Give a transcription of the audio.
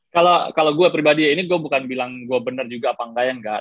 kalau kalau gua pribadi ini gua bukan bilang gua bener juga apa enggak ya enggak